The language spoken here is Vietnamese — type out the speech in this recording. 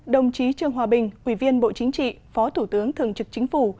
đồng chí trương hòa bình ủy viên bộ chính trị phó thủ tướng thường trực chính phủ